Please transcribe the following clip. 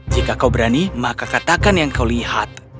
jika kau berani maka katakan yang kau lihat